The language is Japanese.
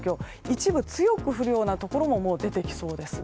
一部、強く降るようなところも出てきそうです。